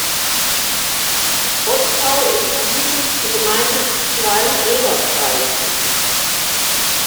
Ottrau ist die südlichste Gemeinde des Schwalm-Eder-Kreises.